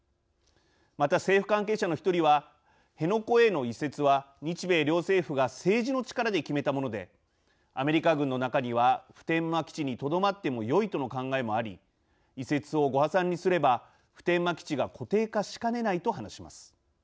また政府関係者の１人は「辺野古への移設は日米両政府が政治の力で決めたものでアメリカ軍の中には普天間基地にとどまってもよいとの考えもあり移設をご破算にすれば普天間基地が固定化しかねない」と話します。